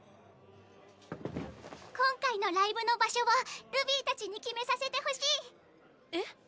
今回のライブの場所をルビィたちに決めさせてほしい。え？